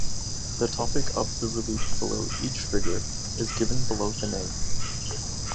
The topic of the relief below each figure is given below the name.